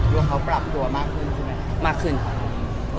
ดังนั้นเขาปรับหัวมากขึ้นใช่ไหม